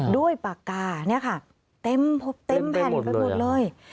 ด้วยปากกาเนี่ยค่ะเต็มแผ่นไปหมดเลย